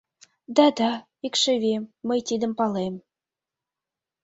— Да-да, икшывем, мый тидым палем.